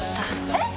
えっ！！